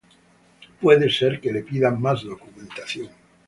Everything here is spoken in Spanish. Puede ser que le pidan más documentación.